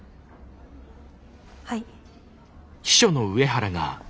はい。